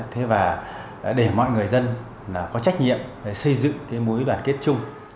thế và để mọi người dân có trách nhiệm xây dựng cái mối đoàn kết chung